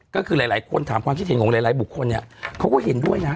ก็คือหลายคนถามความคิดเห็นของหลายบุคคลเนี่ยเขาก็เห็นด้วยนะ